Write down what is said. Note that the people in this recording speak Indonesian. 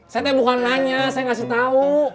saya teh bukan nanya saya ngasih tahu